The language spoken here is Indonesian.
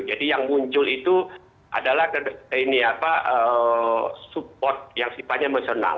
jadi yang muncul itu adalah support yang sifatnya emosional